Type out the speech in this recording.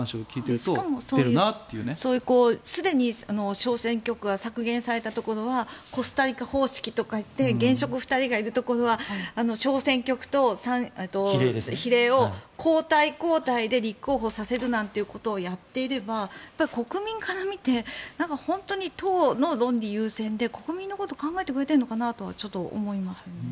しかもすでに小選挙区が削減されたところはコスタリカ方式とかいって現職２人がいるところは小選挙区と比例を交代交代で立候補されるなんていうことをやっていれば国民から見て本当に党の論理優先で国民のことを考えてくれているのかなとは思いますけどね。